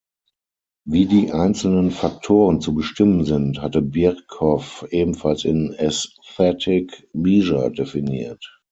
Wie die einzelnen Faktoren zu bestimmen sind, hatte Birkhoff ebenfalls in „Aesthetic Measure“ definiert.